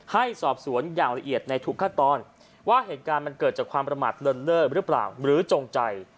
ให้สอบสวนอย่างละเอียดในทุกขั้นตอนว่าเหตุการณ์มันเกิดจากความประมาทเลินเลิศหรือเปล่าหรือจงใจ